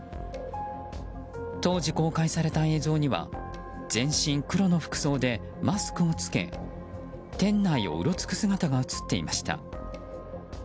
当時、公開された映像には全身黒の服装でマスクを着け店内をうろつく姿が映っていました。